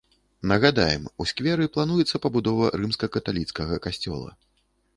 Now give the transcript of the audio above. Нагадаем, у скверы плануецца пабудова рымска-каталіцкага касцёла.